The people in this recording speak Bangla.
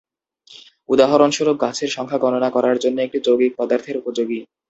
উদাহরণস্বরূপ, গাছের সংখ্যা গণনা করার জন্য এটি যৌগিক পদার্থের উপযোগী।